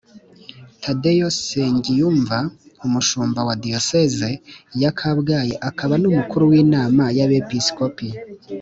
tadeyo nsengiyumva, umushumba wa diyoseze ya kabgayi akaba n'umukuru w'inama y'abepisikopi,